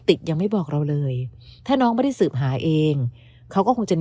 ยังไม่บอกเราเลยถ้าน้องไม่ได้สืบหาเองเขาก็คงจะมี